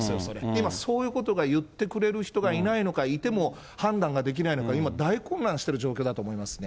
今そういうことが言ってくれる人がいないのか、いても判断ができないのか、今大混乱してる状況だと思いますね。